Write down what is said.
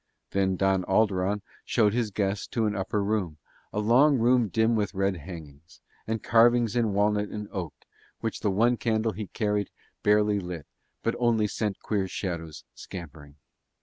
Then Don Alderon showed his guest to an upper room, a long room dim with red hangings, and carvings in walnut and oak, which the one candle he carried barely lit but only set queer shadows scampering.